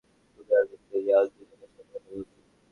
তুমি আর মৃত ইয়াল দুজনেই ছোটবেলার বন্ধু।